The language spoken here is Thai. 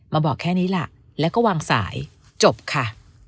บอกแค่นี้ล่ะแล้วก็วางสายจบค่ะ